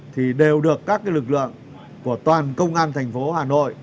thì đều được các lực lượng của toàn công an tp hà nội